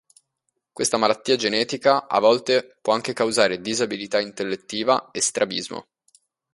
Questa malattia genetica a volte può anche causare disabilità intellettiva e strabismo.